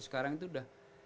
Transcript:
sekarang itu udah